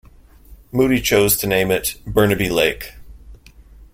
Moody chose to name it Burnaby Lake.